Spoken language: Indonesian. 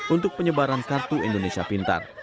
untuk penyebaran kartu indonesia pintar